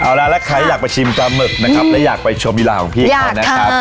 เอาล่ะแล้วใครอยากไปชิมปลาหมึกนะครับและอยากไปชมอีราของพี่เขานะครับ